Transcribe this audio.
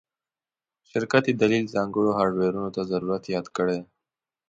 شرکت یی دلیل ځانګړو هارډویرونو ته ضرورت یاد کړی